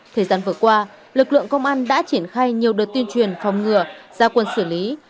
thời gian vừa qua lực lượng công an đã triển khai nhiều đợt tuyên truyền phòng ngừa gia quân xử lý